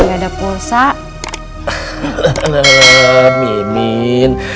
ada pulsa mimin